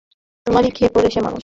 তোমারই খেয়ে-পরে যে মানুষ।